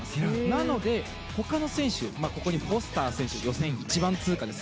なので、ほかの選手ここにフォスター選手予選１番通過です。